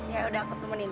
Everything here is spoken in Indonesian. ya udah aku temenin